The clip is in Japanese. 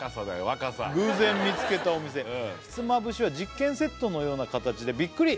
若さ「偶然見つけたお店」「ひつまぶしは実験セットのような形でビックリ」